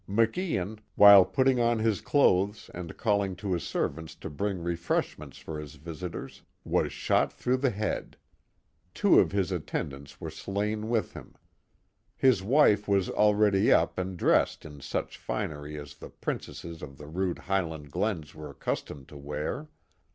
Macian, while pulling on his clothes, and calling to his servants 10 bring refreshments for his visitors, was shot through the head. Two of his attendants were slain with him. His wife was already up and dressed in such finery as the princesses of the rude Highland glens were accustomed to wear.